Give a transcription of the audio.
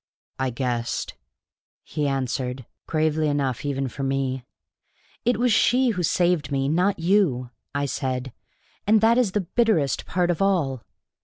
"I guessed," he answered, gravely enough even for me. "It was she who saved me, not you," I said. "And that is the bitterest part of all!"